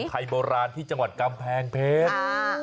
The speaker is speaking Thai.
ไทยโบราณที่จังหวัดกำแพงเพชร